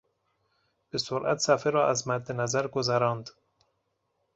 به سرعت صفحه را از مد نظر گذراند.